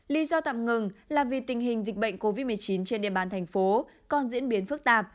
lý do tạm ngừng là vì tình hình dịch bệnh covid một mươi chín trên địa bàn thành phố còn diễn biến phức tạp